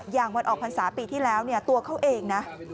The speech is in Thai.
อย่างวันออกภัณฑ์สาวปีที่แล้วตัวเขาเอง